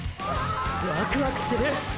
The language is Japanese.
ワクワクする！！